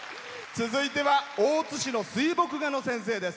続いては大津市の水墨画の先生です。